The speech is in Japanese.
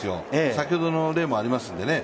先ほどの例もありますのでね。